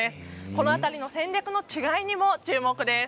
この辺りの戦略の違いにも注目です。